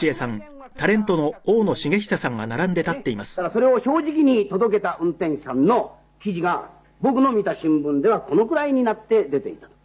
それを正直に届けた運転手さんの記事が僕の見た新聞ではこのくらいになって出ていたの」